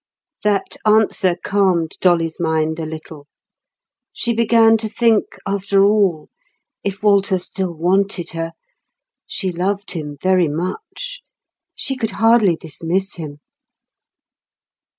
That answer calmed Dolly's mind a little. She began to think after all—if Walter still wanted her—she loved him very much; she could hardly dismiss him.